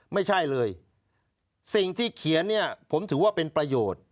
ไม่ใช่เลยสิ่งที่เขียนเนี่ยผมถือว่าเป็นประโยชน์